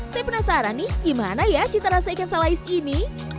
saya penasaran nih gimana ya cita rasa ikan salais ini